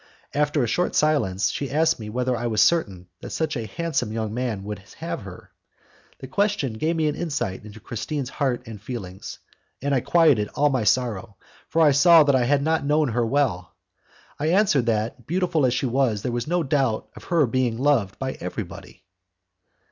After a short silence, she asked me whether I was certain that such a handsome young man would have her. That question gave me an insight into Christine's heart and feelings, and quieted all my sorrow, for I saw that I had not known her well. I answered that, beautiful as she was, there was no doubt of her being loved by everybody.